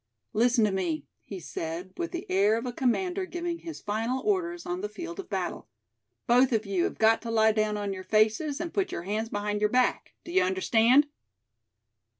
"Listen to me," he said, with the air of a commander giving his final orders on the field of battle; "Both of you have got to lie down on your faces, and put your hands behind your back; do you understand?"